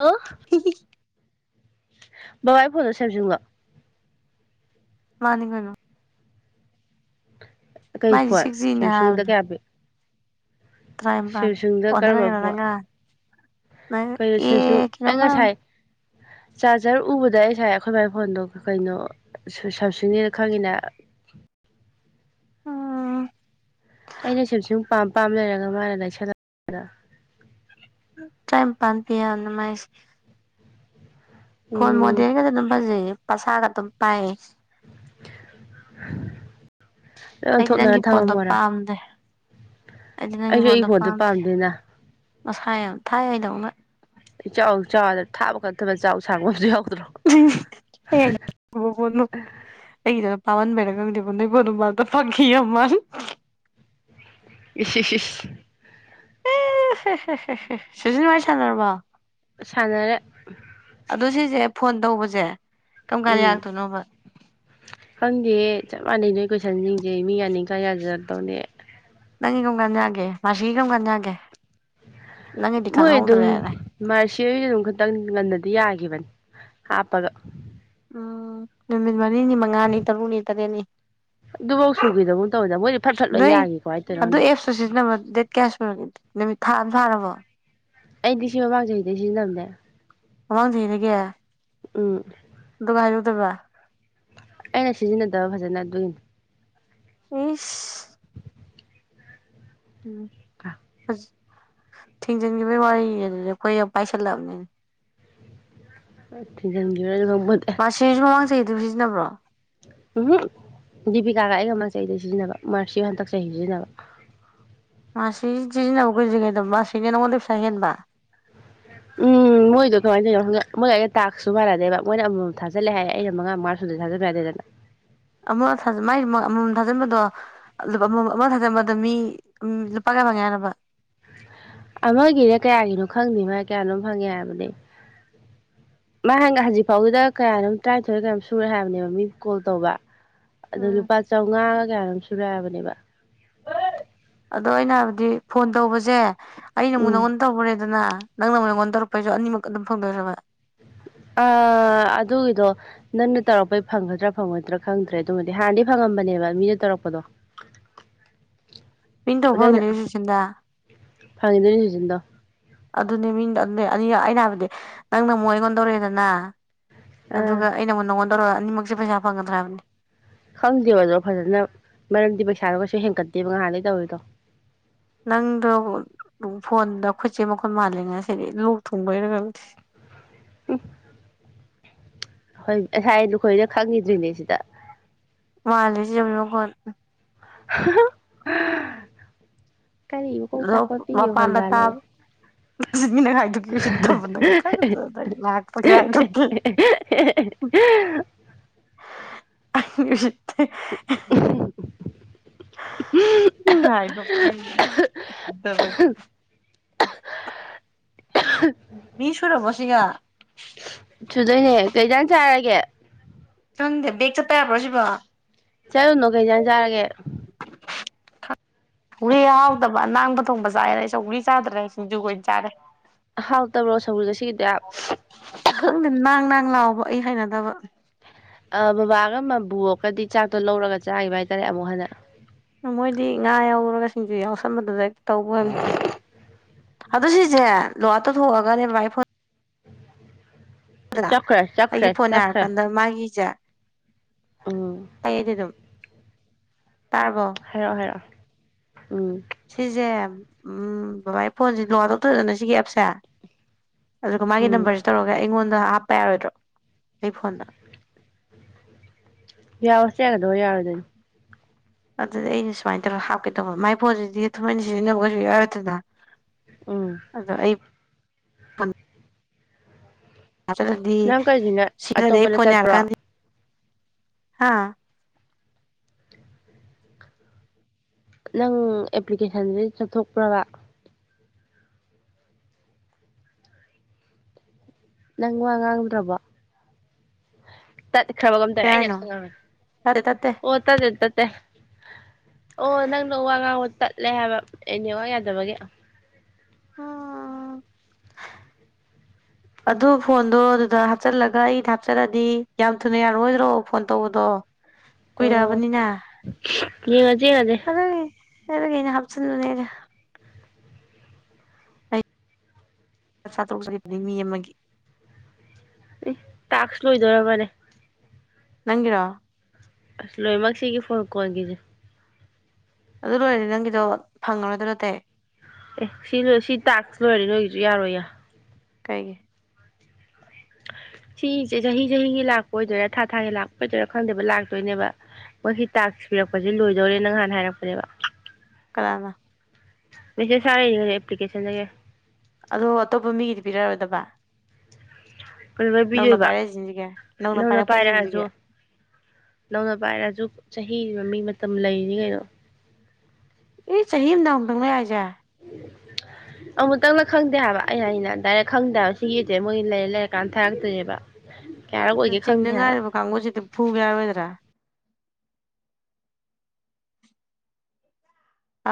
ꯑꯣꯦꯜꯂ ꯕꯥꯏ ꯐꯣꯟꯣ ꯁꯦꯝꯝꯁꯨꯡ ꯃꯥꯅꯤꯡꯉꯅꯣ ꯎꯝ ꯀꯩ ꯐꯣꯠ ꯁꯤꯛꯁ ꯖꯤꯅꯦ ꯁꯝꯁꯨꯡꯗ ꯀꯌꯥ ꯄꯤꯛ ꯀꯥꯏꯝꯕ ꯀꯔꯝꯕ ꯏꯗꯔꯒ ꯐꯣꯟ ꯇꯉ ꯀꯩꯅꯣ ꯌꯦ ꯁꯦꯝꯁꯨꯡ ꯑꯩ ꯀꯩꯅꯃ ꯉꯁꯥꯏ ꯆꯥꯔꯖꯔ ꯎꯕꯗ ꯑꯩ ꯉꯁꯥꯏ ꯑꯩꯈꯣꯏ ꯃꯥꯏ ꯐꯣꯟꯗꯣ ꯀꯩꯅꯣ ꯁꯝ ꯁꯅꯦꯅ ꯈꯪꯉꯤꯅ ꯎꯝ ꯑꯩꯅ ꯁꯨꯝ ꯁ ꯄꯥꯝ ꯄꯥꯝ ꯂꯩꯔꯒ ꯃꯥꯅ ꯂꯩꯁꯜꯂꯛꯗ ꯇꯥꯏꯝ ꯄꯥꯟꯇꯅ ꯃꯥꯥꯏꯁ ꯐꯣꯟ ꯎꯝ ꯃꯗꯤꯔ ꯀꯖ ꯑꯗꯨꯝ ꯐꯖꯩ ꯄꯁꯥꯒ ꯑꯗꯨꯝ ꯄꯑ ꯂꯣꯏ ꯑꯩꯗꯤ ꯅꯪꯒꯤ ꯑꯣꯟꯊꯣꯛꯅꯔ ꯄꯣꯟꯠꯇꯣ ꯊꯝꯃꯝꯃꯣꯔꯥ ꯄꯥꯝꯗꯦ ꯑꯩꯗꯤ ꯑꯩꯁꯨ ꯑꯩ ꯄꯣꯠꯇꯣ ꯄꯥꯝꯗꯦꯅ ꯃꯁꯥꯏ ꯌꯥꯝ ꯊꯥꯏ ꯍꯥꯏꯗꯧꯅ ꯆꯥꯎ ꯆꯥꯎꯗ ꯊꯥꯕ ꯀꯟꯊꯕ ꯆꯥꯎ ꯁꯥꯡꯕꯕꯨ ꯌꯥꯎ ꯣ ꯑꯩ ꯄꯟ ꯃꯔꯒꯗꯤ ꯄꯨꯗ ꯑꯣꯏꯔꯕꯗ ꯐꯀꯤꯤꯃꯟ ꯏꯁꯤ ꯏ ꯁꯤꯁ ꯁꯖꯤ ꯃꯥꯏꯁꯔꯔꯕ ꯁꯥꯟꯅꯔꯦ ꯑꯗꯨꯣ ꯁꯤꯁꯦ ꯐꯣꯟ ꯇꯧꯕꯁꯦ ꯀꯪꯀꯥꯟ ꯎꯝ ꯌꯥꯥꯛꯛꯇꯣꯏꯅꯣꯕ ꯈꯪꯗꯦ ꯆꯞ ꯃꯥꯟꯅꯩ ꯅꯣꯏ ꯀꯣꯏꯁꯟꯁꯤꯡꯁꯦ ꯃꯤ ꯌꯥꯅꯤꯁꯥꯡ ꯌꯥꯖꯔꯗꯧꯅꯦ ꯅꯪꯒꯨꯝꯒꯖꯒꯦ ꯃꯥꯁꯤꯒꯨꯝꯒꯖꯒꯦ ꯃ ꯑꯗꯨ ꯃꯥ ꯆꯦꯔꯣꯏꯁꯨ ꯑꯗꯨꯝ ꯈꯛꯇꯪ ꯉꯟꯅꯗꯤ ꯌꯥꯈꯤꯕꯅꯤ ꯍꯥꯞꯄꯒ ꯑꯣ ꯃꯅꯤꯅꯤ ꯃꯉꯥꯅꯤ ꯇꯔꯨꯛꯅꯤ ꯇꯔꯦꯠꯅꯤ ꯑꯗꯨꯐꯧ ꯁꯨꯈꯤꯗꯒꯨꯝ ꯇꯧꯕꯗ ꯃꯣꯏꯗꯤ ꯐꯠ ꯐꯠ ꯂꯣꯏ ꯅꯣꯏ ꯌꯥꯈꯤ ꯀꯃꯥꯏꯅ ꯇꯧꯔꯤꯅꯣ ꯑꯗꯨ ꯈꯪꯗꯦ ꯑꯦꯁꯨ ꯁꯤꯖꯤ ꯅ ꯗꯦꯠ ꯀꯁꯃꯤ ꯊ ꯐꯥꯔꯔꯕꯣ ꯑꯩꯗꯤ ꯁꯤ ꯃꯃꯥꯡ ꯆꯍꯤꯩꯗꯦ ꯁꯤꯖꯤ ꯇꯝꯅꯦ ꯑꯥꯡ ꯊꯔꯒꯦ ꯎꯝ ꯗꯗꯨꯒ ꯍꯥꯏꯁꯨꯗꯕ ꯑꯩꯅ ꯁꯤꯖꯤꯟꯅꯗꯕ ꯐꯖꯅ ꯑꯗꯨꯏꯅꯤ ꯏꯁ ꯎꯝ ꯐ ꯊꯤꯡꯖꯤꯟꯈꯤꯕꯩ ꯋꯥꯔꯤ ꯑꯗꯨꯗꯤ ꯑꯩꯈꯣꯏ ꯌꯥꯝ ꯄꯥꯏꯁꯤꯜꯂꯛꯑꯕꯅꯤ ꯔꯪꯗ ꯃꯥꯔꯁꯤꯁꯨ ꯃꯃꯥꯡ ꯆꯍꯤꯗꯨ ꯁꯤꯖꯤꯟꯅꯕ꯭ꯔꯣ ꯎꯝ ꯗꯤꯕꯤꯀꯥꯒ ꯑꯩꯒ ꯃꯆꯩꯗꯩ ꯁꯤꯖꯤꯟꯅꯕ ꯃꯔꯁꯤ ꯍꯟꯗꯛ ꯆꯍꯤ ꯁꯤꯖꯤꯟꯅꯕ ꯃꯥꯁꯤ ꯏꯗꯤ ꯍꯅꯕꯒꯖꯤ ꯀꯩꯗ ꯃꯥꯥꯁꯅꯦ ꯅꯣꯡꯉꯣꯟꯗꯦ ꯄꯁꯥ ꯍꯦꯟꯕ ꯎꯝ ꯃꯣꯏꯗꯣ ꯀꯃꯥꯏꯅ ꯇꯧꯔꯤꯅꯣ ꯍꯪ ꯃꯣꯏꯗ ꯑꯩꯅ ꯇꯥꯛꯁꯨ ꯃꯥꯟꯅꯗꯦꯕ ꯃꯣꯏꯅ ꯑꯃꯃꯝ ꯊꯥꯖꯜꯂꯦ ꯍꯥꯏꯌꯦ ꯑꯩꯩꯅ ꯃꯉꯥ ꯃꯥ ꯁꯗ ꯊꯥꯖꯟꯕ ꯌꯥꯗꯦꯗꯅ ꯑꯃ ꯃꯥꯏ ꯑꯃꯃꯝ ꯊꯥꯖꯤꯟꯕꯗꯣ ꯑꯃꯃꯝ ꯑꯃ ꯊꯥꯖꯤꯟꯕꯗ ꯃꯤ ꯂꯨꯄꯥ ꯀꯌꯥꯃꯪꯉꯥꯏꯅꯕ ꯑꯃꯒꯤꯅꯦ ꯀꯌꯥꯒꯤꯅꯣ ꯈꯪꯗꯦ ꯃꯥ ꯀꯌꯥꯅꯣ ꯐꯪꯉꯦ ꯍꯥꯏꯕꯅꯤ ꯃꯥ ꯍꯪ ꯍꯧꯖꯤꯛ ꯐꯥꯎꯒꯤꯗ ꯀꯌꯥꯅꯣꯝ ꯇꯔꯥꯅꯤꯊꯣꯏ ꯀꯌꯥꯝ ꯁꯨꯔꯦ ꯍꯥꯏꯕꯅꯦꯕ ꯃꯤ ꯀꯣꯜ ꯇꯧꯕ ꯑꯗꯣ ꯎꯝ ꯂꯨꯄꯥ ꯆꯥꯝꯃꯉꯥꯒ ꯀꯌꯥꯅꯣ ꯁꯤꯨꯔꯥꯏ ꯍꯥꯏꯕꯅꯤꯕ ꯑꯗ ꯑꯣꯏꯅꯅ ꯗꯤ ꯐꯣꯟ ꯇꯧꯕꯁꯦ ꯑꯩꯅ ꯎꯝ ꯃꯅꯉꯣꯟꯟ ꯇꯕꯨꯅꯦꯦ ꯑꯗꯨꯅ ꯅꯪꯅ ꯃꯉꯟꯗꯔꯨ ꯄꯁꯨ ꯑꯅꯤꯃꯛ ꯑꯗꯨꯝ ꯐꯪꯗꯣꯏꯔꯕ ꯑ ꯑꯗꯨꯒꯤꯗꯣ ꯅꯪꯅ ꯇꯧꯔꯛꯄꯩ ꯐꯪꯒꯗ꯭ꯔꯥ ꯐꯪꯉꯣꯏꯗ꯭ꯔꯥ ꯈꯪꯗ꯭ꯔꯦ ꯑꯗꯨꯃꯗꯤ ꯍꯥꯟꯅꯗꯤ ꯐꯪꯉꯝꯕꯅꯦꯕ ꯃꯤꯅ ꯇꯧꯔꯛꯄꯗꯣ ꯃꯤꯡ ꯇꯧꯕ ꯑꯗ ꯑꯩꯅ ꯐꯪꯒꯅꯤ ꯍꯧꯖꯤꯛꯁꯤꯟꯗ ꯐꯪꯉꯤꯗꯨꯅꯤ ꯁꯤꯖꯤꯟꯗꯣ ꯑꯗꯨꯅꯦ ꯃꯤꯡ ꯑꯅꯤ ꯑꯩꯅ ꯍꯥꯏꯕꯗꯤ ꯅꯪꯅ ꯃꯣꯏ ꯍꯉꯣꯟꯗꯧꯔꯛꯑꯦꯗꯅ ꯑꯥ ꯑꯗꯨꯒ ꯑ ꯅ ꯑꯃꯛ ꯅꯪꯉꯣꯟꯗ ꯑꯅꯤꯃꯛꯁꯦ ꯄꯩꯁꯥ ꯐꯪꯒꯗ꯭ꯔꯕꯅꯤ ꯈꯪꯗꯦꯕ ꯑꯗꯣ ꯐꯖꯅ ꯃꯔꯝꯗꯤ ꯄꯩꯁꯥꯗꯣ ꯀꯩꯁꯨ ꯍꯦꯟꯀꯠꯇꯦꯕ ꯉꯥꯏꯍꯥꯟꯗꯒꯤꯩ ꯇꯧꯔꯤꯗꯣ ꯅꯪꯗꯣ ꯐꯣꯟꯗ ꯈꯨꯠꯁꯦ ꯃꯈꯣꯟ ꯃꯥꯜꯂꯤꯉ ꯁꯤꯗꯤ ꯂꯣꯛ ꯊꯨꯡꯕꯣꯏꯔꯒ ꯎ ꯍꯣꯏ ꯉꯁꯥꯏ ꯅꯈꯣꯏꯅ ꯈꯪꯉꯗ꯭ꯔꯤꯅꯦ ꯁꯤꯗ ꯃꯥꯂꯦꯂꯣꯣ ꯀ ꯀ ꯆ ꯑꯗꯣ ꯀ ꯄꯤ ꯃꯄꯥꯟꯗ ꯍꯜꯚꯕ ꯇꯥꯕ ꯎꯆꯤꯟꯒꯤ ꯅꯪ ꯍꯥꯏꯗꯣꯛꯀꯦ ꯎꯁꯤꯠꯇꯕ ꯅꯪ ꯈꯪꯗ꯭ꯔ ꯅꯪ ꯂꯥꯛꯄꯒ ꯍꯥꯏꯗꯣꯛꯀꯦ ꯎꯁꯤꯠꯇꯦ ꯒ ꯁꯤ ꯃꯤꯁꯨꯨꯔꯕꯣꯁꯤꯒ ꯁꯨꯗꯣꯏꯅꯦ ꯀꯩꯇꯥꯟ ꯆꯥꯔꯒꯦ ꯆꯪꯗꯦ ꯕꯦꯒ ꯆꯠꯄ ꯌꯥꯕ꯭ꯔꯣ ꯁꯤꯕꯣ ꯆꯠꯂꯨꯅꯣ ꯀꯩꯖꯥꯟ ꯆꯥꯔꯒꯦ ꯍꯒꯂꯤ ꯍꯥꯎꯗꯕ ꯑꯅꯥꯡꯕ ꯊꯣꯡꯕ ꯆꯥꯏꯔꯅ ꯆꯧꯒꯂꯤ ꯆꯥꯗ꯭ꯔꯦ ꯁꯤꯡꯖꯨꯈꯣꯏ ꯑꯣꯏꯅ ꯆꯥꯔꯦ ꯍꯥꯎ ꯇꯕꯣ ꯁꯕꯨ ꯁꯤ ꯈꯜꯅꯥ ꯂꯅꯥ ꯂ ꯑꯣ ꯑꯩ ꯍꯥꯏꯅꯗꯕ ꯕꯕꯥꯒ ꯃꯕꯨꯑꯒꯗꯤ ꯆꯥꯛꯇꯣ ꯂꯧꯔꯒ ꯆꯥꯈꯤꯕ ꯍꯥꯏꯇꯥꯔꯦ ꯑꯃꯨꯛ ꯍꯟꯅ ꯃꯣꯏꯗꯤ ꯉꯥ ꯌꯥꯎꯔꯒ ꯁꯤꯡꯖꯨ ꯌꯥꯎꯁꯟꯕꯗꯨꯗ ꯇꯧꯧꯕꯜ ꯑꯗꯨ ꯁꯤꯁꯦ ꯂꯨꯇꯣꯊꯣꯛꯑꯒꯅꯦ ꯚꯥꯏ ꯐꯣꯟ ꯑꯗꯨꯅ ꯆꯠꯈ꯭ꯔꯦ ꯆꯠꯈ꯭ꯔꯦ ꯑꯩꯒꯤ ꯐꯣꯟ ꯆꯠꯈ꯭ꯔꯦ ꯌꯥꯔꯀꯥꯟꯗ ꯃꯥꯒꯤꯁꯦ ꯎꯝ ꯇꯩ ꯑꯗꯨꯝ ꯇꯥꯔꯕꯣ ꯍꯥꯏꯔꯛꯑꯣ ꯍꯥꯏꯔꯛꯑꯣ ꯎꯝ ꯁꯤꯁꯦ ꯎꯝ ꯕꯕꯥ ꯑꯩ ꯐꯣꯟꯁꯦ ꯂꯨꯗꯧꯇ꯭ꯔꯗꯅ ꯁꯤꯒꯤ ꯑꯦꯞꯁꯦ ꯑꯗꯨꯒ ꯃꯥꯒꯤ ꯎꯝ ꯅꯝꯕꯔꯁꯤ ꯇꯧꯔꯒ ꯑꯩꯉꯣꯟꯗꯞ ꯍꯥꯄ ꯌꯥꯔꯣꯏꯗ꯭ꯔꯣ ꯑꯩ ꯐꯣꯟꯗ ꯌꯥꯎꯋ ꯌꯥꯒꯗꯧꯕ ꯌꯥꯔꯣꯏꯗꯗꯤ ꯑꯗꯨꯗꯤ ꯑꯩꯅ ꯁꯨꯃꯥꯏꯅ ꯇꯧꯔꯒ ꯍꯥꯞꯀꯦ ꯇꯧꯕ ꯃꯥꯏ ꯄꯣꯠꯁꯤꯗꯤ ꯊꯃꯣꯏꯅ ꯁꯤꯖꯤꯟꯅꯕꯁꯨ ꯌꯥꯎꯔꯦ ꯑꯗꯨꯗ ꯎꯝ ꯑꯗꯣ ꯑꯩ ꯊ ꯑꯗꯤ ꯅꯪ ꯀꯩꯒꯤꯅ ꯁꯤꯂꯗ ꯑꯩ ꯑꯇꯣꯞꯄꯗ ꯆꯠꯄ꯭ꯔꯣ ꯐꯣꯟꯅꯔꯀꯥꯟꯗꯤ ꯍꯥꯥ ꯅꯪ ꯑꯦꯄ꯭ꯂꯤꯀꯦꯁꯟꯗꯨꯗꯤ ꯆꯠꯊꯣꯛꯄ꯭ꯔꯕ ꯅꯪ ꯋꯥ ꯉꯥꯡꯗ꯭ꯔꯕꯣ ꯇꯠꯈ꯭ꯔꯕꯒꯝ ꯇꯧꯔꯦ ꯀꯩ ꯍꯥꯏꯅꯣ ꯑꯩꯅꯁꯨꯦ ꯇꯠꯇꯦ ꯇꯠꯇꯦ ꯑꯣ ꯑꯣ ꯅꯪꯗꯣ ꯋꯥ ꯉꯥꯡꯕ ꯇꯠꯂꯦ ꯍꯥꯏꯕ ꯑꯦꯅꯦꯋꯥ ꯌꯥꯗꯕꯒꯤꯦ ꯎ ꯑꯗꯨ ꯐꯣꯟꯗꯣ ꯑꯗꯨꯗ ꯍꯥꯞꯆꯤꯜꯂꯒ ꯑꯩꯗ ꯍꯥꯞꯆꯜꯂꯗꯤ ꯌꯥꯝ ꯊꯨꯅ ꯌꯥꯔꯔꯣꯏꯗ꯭ꯔꯣ ꯐꯣꯟ ꯇꯧꯕꯗꯣ ꯑꯣ ꯀꯏꯔꯕꯅꯤꯅ ꯌꯦꯡꯉꯖꯤ ꯌꯦꯡꯉꯖꯤ ꯑꯗꯨ ꯍꯕ ꯀꯩꯅ ꯍꯥꯞꯆꯅꯦꯔ ꯁ ꯇꯔꯨꯛꯆꯈꯤꯕꯅꯤ ꯃꯤ ꯑꯃꯒꯤ ꯑꯦ ꯇꯥꯛꯁꯨ ꯂꯣꯏꯗꯣꯏꯔꯕꯅꯦ ꯅꯪꯔꯥ ꯑꯁ ꯂꯣꯏꯅꯃꯛꯁꯤꯒꯤ ꯐꯣꯟ ꯀꯣꯟꯒꯤꯁꯦ ꯑꯗꯨ ꯂꯣꯏꯔꯗꯤ ꯅꯪꯒꯤꯗꯣ ꯐꯪꯉꯔꯣꯏꯗ ꯅꯠꯇꯦ ꯑꯦ ꯁꯤ ꯁꯤꯤꯠ ꯍꯥꯁꯅꯣ ꯅꯣꯏ ꯌꯥꯔꯣꯏ ꯌꯥ ꯀꯩꯒꯤ ꯁꯤꯁꯦ ꯆꯍꯤ ꯆꯍꯤꯒꯤ ꯂꯥꯛꯄ ꯑꯣꯏꯗꯣꯏꯔꯥ ꯊꯥ ꯊꯥꯒꯤ ꯂꯥꯛꯄ ꯑꯣꯏꯗꯣꯏꯔꯥ ꯈꯪꯗꯦꯕ ꯂꯥꯛꯇꯣꯏꯅꯦꯕ ꯃꯣꯏꯒꯤ ꯇꯥꯛꯁ ꯄꯤꯔꯛꯄꯁꯦ ꯂꯣꯏꯗꯧꯔꯦ ꯅꯪꯍꯥꯟ ꯍꯥꯏꯔꯛꯄꯅꯦꯕ ꯀꯅꯥꯗ ꯃꯁꯦ ꯁꯔꯦ ꯑꯦꯄ꯭ꯂꯤꯀꯦꯁꯟꯦ ꯑꯗꯣ ꯑꯇꯣꯞꯄ ꯃꯤꯒꯤꯗꯤ ꯄꯤꯔꯛꯔꯣꯏꯗꯕ ꯀꯩꯅꯣ ꯅꯪꯅ ꯄꯤꯗꯣꯏꯕ ꯄꯥꯏꯔꯛꯁꯤꯁꯤꯒꯦ ꯅꯪꯅ ꯅꯧꯅ ꯄꯥꯏꯔꯛꯑꯁꯨ ꯄꯥꯏꯔꯛꯄꯁꯤꯁꯤꯒꯦ ꯅꯧꯅ ꯄꯥꯏꯔꯁꯨ ꯆꯍꯤ ꯃꯃꯤ ꯃꯇꯝ ꯂꯩꯔꯤ ꯀꯩꯅꯣ ꯑꯦ ꯆꯍꯤꯍꯤ ꯑꯃꯗꯥꯗꯪ ꯂꯩ ꯍꯥꯏꯁꯦ ꯎ ꯑꯃꯨꯛꯇꯪꯅ ꯈꯪꯗꯦ ꯍꯥꯏꯕ ꯑꯩ ꯑꯩꯅ ꯗꯥꯏꯔꯦꯛ ꯈꯪꯗꯕ ꯁꯤꯒꯤꯁꯦ ꯃꯣꯏ ꯂꯩꯔ ꯂꯩꯔꯀꯥꯟꯗ ꯊꯥꯔꯛꯇꯣꯏꯅꯦꯕ ꯀꯌꯥꯔꯛ ꯑꯣꯏꯒꯦ ꯆꯤꯡꯗ ꯈꯪꯗꯦ ꯍꯥꯏꯕ ꯉꯥꯏꯔꯤꯕ ꯀꯥꯡꯕꯨꯁꯤꯗꯤ ꯐꯨꯕ ꯌꯥꯔꯣꯏꯗ꯭ꯔꯥ ꯑ